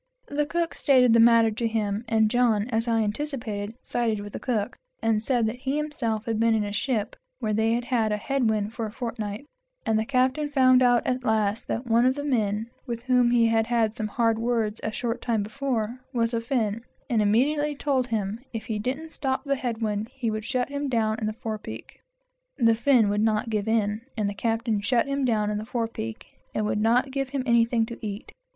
The cook stated the matter to him, and John, as I anticipated, sided with the cook, and said that he himself had been in a ship where they had a head wind for a fortnight, and the captain found out at last that one of the men, whom he had had some hard words with a short time before, was a Fin, and immediately told him if he didn't stop the head wind he would shut him down in the fore peak, and would not give him anything to eat.